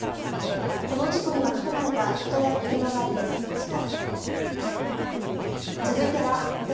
この事故に巻き込まれた人や車はいませんでした。